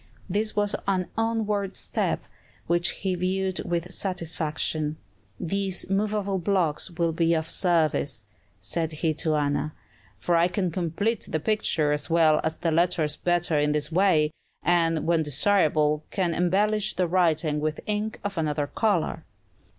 This was an onward step, which he viewed with satisfaction. "These movable blocks will be of service," said he to Anna; "for I can complete the picture as well as the letters better in this way, and, when desirable, can embellish the writing with ink of another color."